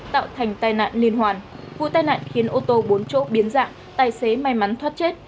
tạo thành tai nạn liên hoàn vụ tai nạn khiến ô tô bốn chỗ biến dạng tài xế may mắn thoát chết